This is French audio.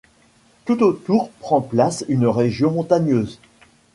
Tout autour prend place une région montagneuse.